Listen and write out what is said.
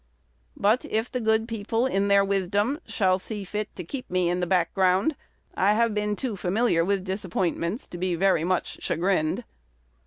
But, if the good people in their wisdom shall see fit to keep me in the background, I have been too familiar with disappointments to be very much chagrined.